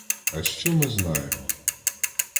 А що ми знаємо?